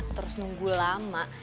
terus nunggu lama